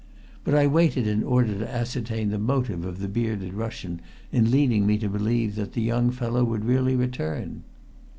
But I waited in order to ascertain the motive of the bearded Russian in leading me to believe that the young fellow would really return.